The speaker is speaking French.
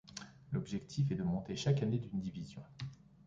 L'objectif est de monter chaque année d'une division.